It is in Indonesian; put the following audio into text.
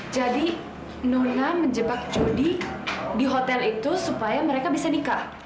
jadi nona menjebak jodi di hotel itu supaya mereka bisa nikah